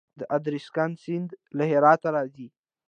د ادرسکن سیند له هرات راځي